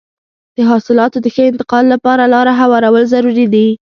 د حاصلاتو د ښه انتقال لپاره لاره هوارول ضروري دي.